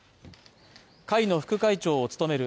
会の副会長を務める